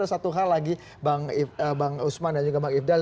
satu hal lagi bang usman dan juga bang ifdal